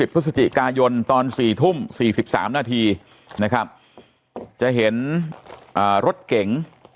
พฤศจิกายนตอน๔ทุ่ม๔๓นาทีนะครับจะเห็นรถเก๋ง